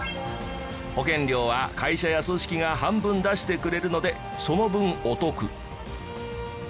保険料は会社や組織が半分出してくれるのでその分お得。